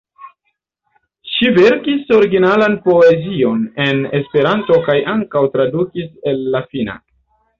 Ŝi verkis originalan poezion en Esperanto kaj ankaŭ tradukis el la finna.